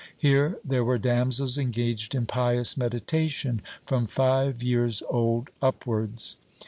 Here there were damsels engaged in pious meditation, from five years old upwards.